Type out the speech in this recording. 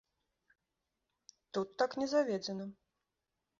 Тут так не заведзена.